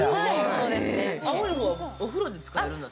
青い方はお風呂で使えるんだって。